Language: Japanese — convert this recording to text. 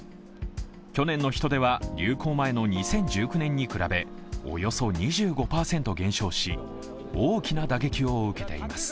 去年の人出は流行前の２０１９年に比べおよそ２５％減少し大きな打撃を受けています。